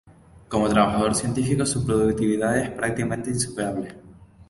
Como trabajador científico, su productividad es prácticamente insuperable.